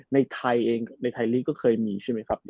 ในไทยลิกก็เคยมีใช่ไหมครับ